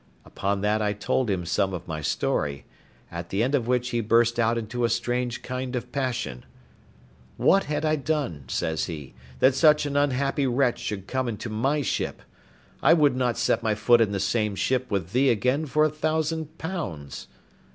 Upon that I told him some of my story; at the end of which he burst out into a strange kind of passion: "What had I done," says he, "that such an unhappy wretch should come into my ship? I would not set my foot in the same ship with thee again for a thousand pounds."